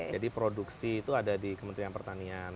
jadi produksi itu ada di kementerian pertanian